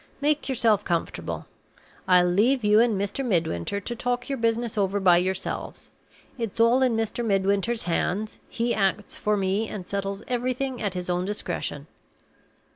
Make yourself comfortable; I'll leave you and Mr. Midwinter to talk your business over by yourselves. It's all in Mr. Midwinter's hands; he acts for me, and settles everything at his own discretion."